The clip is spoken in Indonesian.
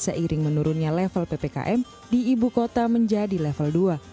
seiring menurunnya level ppkm di ibu kota menjadi level dua